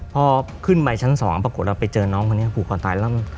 พอขึ้นไปชั้น๒ปรากฏเราไปเจอน้องคนนี้ผูกคอตายแล้ว